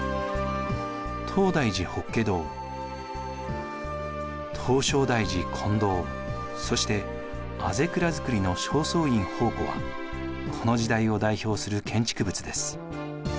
東大寺法華堂唐招提寺金堂そして校倉造の正倉院宝庫はこの時代を代表する建築物です。